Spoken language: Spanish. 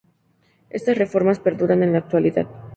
Estas reformas perduran en la actualidad.